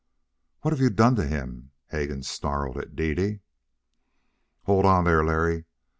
"What have you done to him?" Hegan snarled at Dede. "Hold on there, Larry."